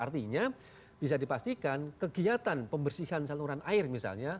artinya bisa dipastikan kegiatan pembersihan saluran air misalnya